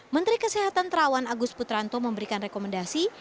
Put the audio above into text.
menteri kesehatan terawan agus putranto memberikan rekomendasi